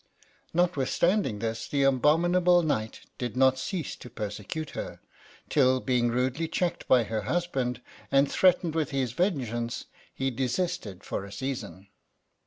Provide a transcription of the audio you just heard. Notwithstanding this, the abominable knight did THE WIDOW OF GALlClA. 6Si not cease to persecute her, till being rudely checked by her husband, and threatened with his vengeance, he desisted for a season.